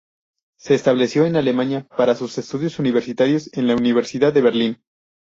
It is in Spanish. Se estableció en Alemania para sus estudios universitarios en la Universidad de Berlín.